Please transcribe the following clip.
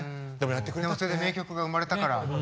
それで名曲が生まれたから。